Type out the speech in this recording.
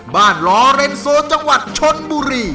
ลอเรนโซจังหวัดชนบุรี